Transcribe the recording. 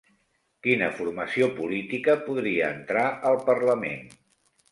Quina formació política podria entrar al Parlament?